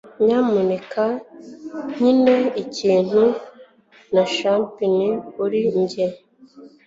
Nyamuneka nkine ikintu na Chopin kuri njye.